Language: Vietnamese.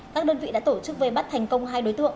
các đơn vị đã tổ chức vây bắt thành công hai đối tượng